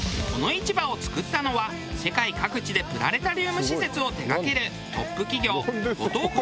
この市場を作ったのは世界各地でプラネタリウム施設を手がけるトップ企業五藤